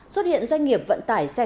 xuất hiện doanh nghiệp vận tải xe khách